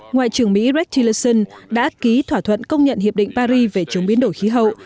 ngoại trưởng mỹ brexillson đã ký thỏa thuận công nhận hiệp định paris về chống biến đổi khí hậu